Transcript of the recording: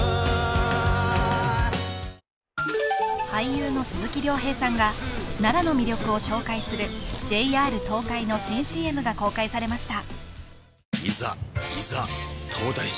俳優の鈴木亮平さんが奈良の魅力を紹介するＪＲ東海の新ＣＭが公開されました。